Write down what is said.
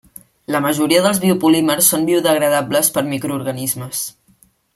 La majoria dels biopolímers són biodegradables per microorganismes.